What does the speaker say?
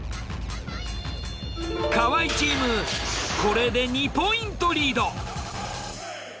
河合チームこれで２ポイントリード。